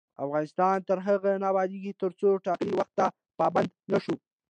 افغانستان تر هغو نه ابادیږي، ترڅو ټاکلي وخت ته پابند نشو.